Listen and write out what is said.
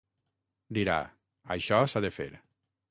Dirà: això s’ha de fer.